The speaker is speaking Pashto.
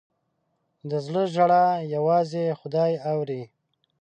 د زړه ژړا یوازې خدای اوري.